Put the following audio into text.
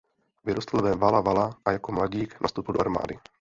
Vyrostl ve Walla Walla a jako mladík nastoupil do armády.